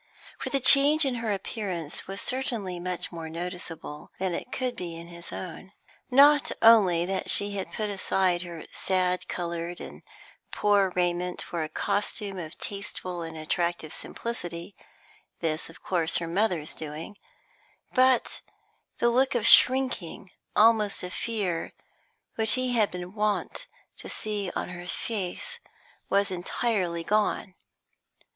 For the change in her appearance was certainly much more noticeable than it could be in his own. Not only that she had put aside her sad coloured and poor raiment for a costume of tasteful and attractive simplicity this, of course, her mother's doing but the look of shrinking, almost of fear, which he had been wont to see on her face, was entirely gone.